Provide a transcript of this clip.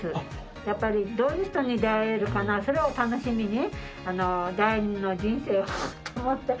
やっぱりどういう人に出会えるかな、それを楽しみに、第二の人生をと思って。